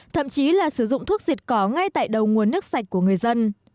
thậm chí là sử dụng thuốc diệt cỏ ngay tại đầu nguồn nước sạch của người dân